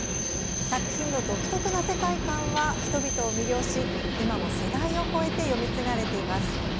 作品の独特な世界観は人々を魅了し今も世代を超えて読み継がれています。